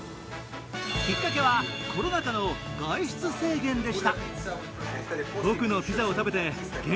きっかけはコロナ禍の外出制限でした。